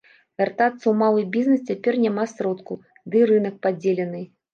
Вяртацца ў малы бізнес цяпер няма сродкаў, дый рынак падзелены.